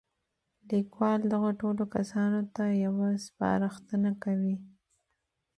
ليکوال دغو ټولو کسانو ته يوه سپارښتنه کوي.